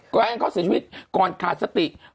ตัวเองเขาเสียชีวิตก่อนขาดสติ